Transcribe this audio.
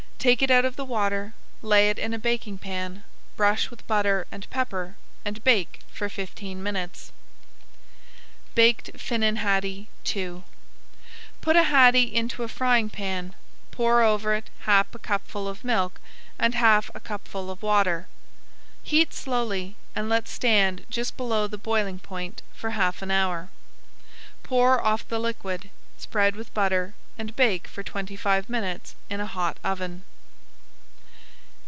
Take it out of the water, lay it in a baking pan, brush with butter and pepper, and bake for fifteen minutes. BAKED FINNAN HADDIE II Put a haddie into a frying pan, pour over it half a cupful of milk, and half a cupful of water. Heat slowly and let stand just below the boiling point for half an hour. Pour off [Page 133] the liquid, spread with butter, and bake for twenty five minutes in a hot oven.